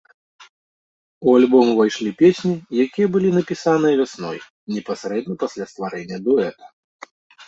У альбом увайшлі песні, якія былі напісаныя вясной, непасрэдна пасля стварэння дуэта.